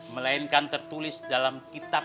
melainkan tertulis dalam kitab